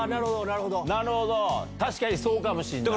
なるほど確かにそうかもしんない。